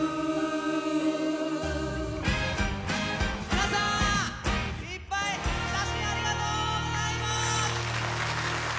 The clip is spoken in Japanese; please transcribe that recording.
皆さん、いっぱい写真ありがとうございます！